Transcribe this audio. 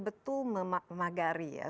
aku betul memagari ya